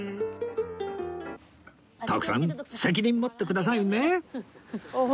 徳さん責任持ってくださいね